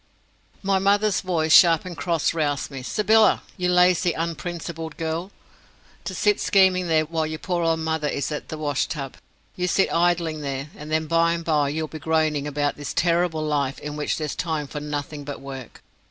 My mother's voice, sharp and cross, roused me. "Sybylla, you lazy unprincipled girl, to sit scheming there while your poor old mother is at the wash tub. You sit idling there, and then by and by you'll be groaning about this terrible life in which there's time for nothing but work."